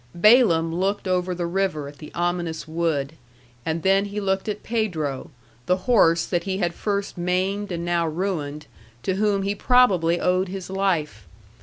Balaam looked over the river at the ominous wood, and then he looked at Pedro, the horse that he had first maimed and now ruined, to whom he probably owed his life.